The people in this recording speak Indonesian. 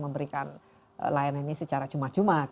memberikan layanan ini secara cuma cuma